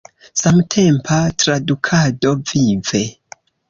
Samtempa tradukado – vive!